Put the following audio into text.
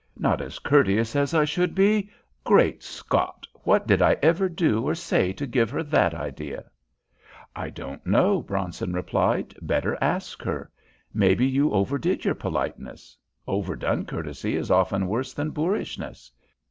Not as courteous as I should be! Great Scott! What did I ever do or say to give her that idea?" "I don't know," Bronson replied. "Better ask her. Maybe you overdid your politeness. Overdone courtesy is often worse than boorishness.